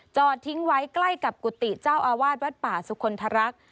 จอดทิ้งไว้ใกล้กับกุฏิเจ้าอาวาสวัดป่าสุคลทรักษ